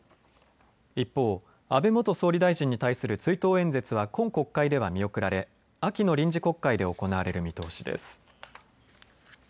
一方、安倍元総理大臣に対する追悼演説は今国会では見送られ秋の臨時国会で行われる見通しです。